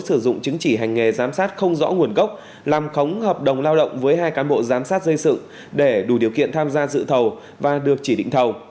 sử dụng chứng chỉ hành nghề giám sát không rõ nguồn gốc làm khống hợp đồng lao động với hai cán bộ giám sát dân sự để đủ điều kiện tham gia dự thầu và được chỉ định thầu